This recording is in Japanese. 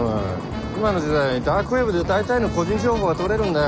今の時代ダークウェブで大体の個人情報は取れるんだよ。